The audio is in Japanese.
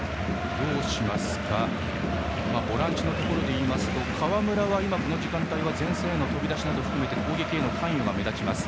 ボランチのところで言いますと川村はこの時間帯前線への飛び出しを含めて攻撃への関与が目立ちます。